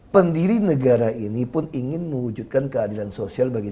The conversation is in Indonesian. pendiri negara ini pun ingin mewujudkan keadilan sosial bagi